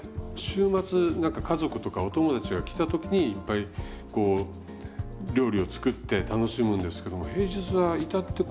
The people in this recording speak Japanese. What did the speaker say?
週末なんか家族とかお友達が来た時にいっぱいこう料理を作って楽しむんですけども平日は至って